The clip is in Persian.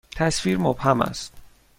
تصویر مبهم است.